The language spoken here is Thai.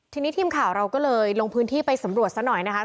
ทีนี้ทีมข่าวเราก็เลยลงพื้นที่ไปสำรวจซะหน่อยนะคะ